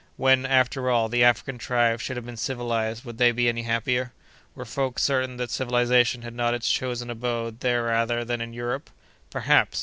—When, after all, the African tribes should have been civilized, would they be any happier?—Were folks certain that civilization had not its chosen abode there rather than in Europe?—Perhaps!